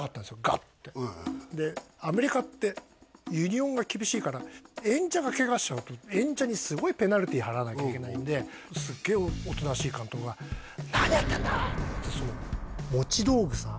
ガッてでアメリカってユニオンが厳しいから演者がケガしちゃうと演者にすごいペナルティー払わなきゃいけないんですげえおとなしい監督がその持ち道具さん？